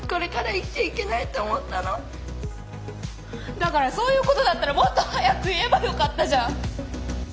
「だからそういうことだったらもっと早く言えばよかったじゃん」。